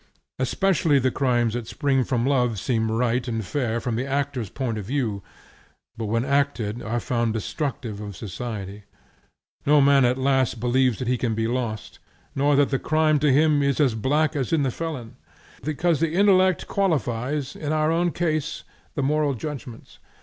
Especially the crimes that spring from love seem right and fair from the actor's point of view, but when acted are found destructive of society. No man at last believes that he can be lost, nor that the crime in him is as black as in the felon. Because the intellect qualifies in our own case the moral judgments.